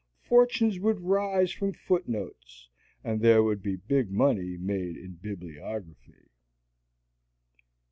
Fortunes would rise from footnotes; and there would be big money made in bibliography.